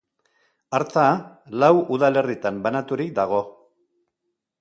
Arta lau udalerritan banaturik dago.